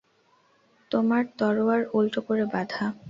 তোমার তরোয়ার উল্টো করে বাঁধা।